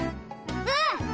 うん！